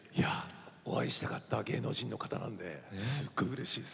お会いしたかった芸能人の方なのですごいうれしいです。